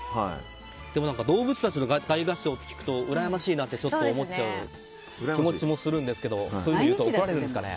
でも、動物たちの大合唱と聞くとうらやましいと思ってしまう気持ちもするんですけどそういうふうに言うと怒られちゃうんですかね。